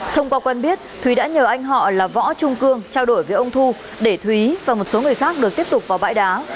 thông qua quen biết thúy đã nhờ anh họ là võ trung cương trao đổi với ông thu để thúy và một số người khác được tiếp tục vào bãi đá